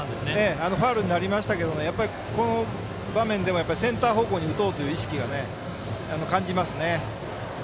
ファウルになりましたけどこの場面でもセンター方向に打とうという意識を感じますね。